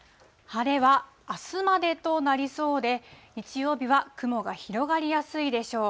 晴れはあすまでとなりそうで、日曜日は雲が広がりやすいでしょう。